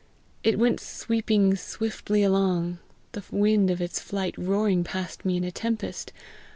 It went sweeping swiftly along, the wind of its flight roaring past me in a tempest.